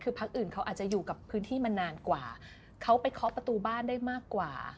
คือพักอื่นเขาอาจจะอยู่กับพื้นที่มานานกว่าเขาไปเคาะประตูบ้านได้มากกว่า